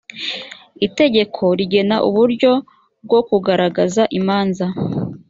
itegeko rigena uburyo bwo kurangiza imanza